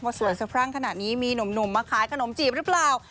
สวยสะพรั่งขนาดนี้มีหนุ่มมาขายขนมจีบหรือเปล่า